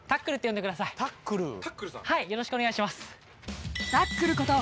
よろしくお願いします。